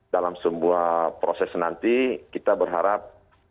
dalam sebuah proses nanti kita berharap